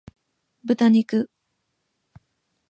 豚肉